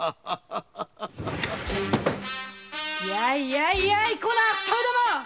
やいやいこの悪党ども！